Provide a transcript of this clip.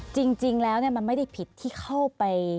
จริงแล้วมันไม่ได้ผิดที่เข้าไป